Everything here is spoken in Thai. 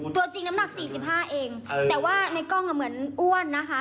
ตัวจริงน้ำหนัก๔๕เองแต่ว่าในกล้องเหมือนอ้วนนะคะ